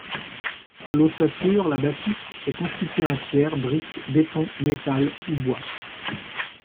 L'ossature, la bâtisse, est constituée en pierre, brique, béton, métal ou bois.